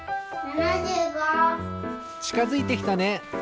ちかづいてきたね！